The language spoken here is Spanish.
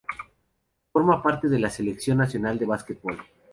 Forma parte de la Selección nacional de básquetbol.